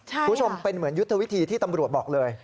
คุณผู้ชมเป็นเหมือนยุทธวิธีที่ตำรวจบอกเลย